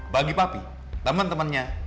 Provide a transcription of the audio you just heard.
bagi papi temen temen nya